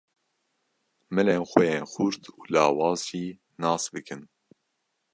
Milên xwe yên xurt û lawaz jî nas bikin.